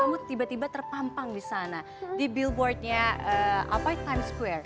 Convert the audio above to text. kamu tiba tiba terpampang disana di billboardnya apa times square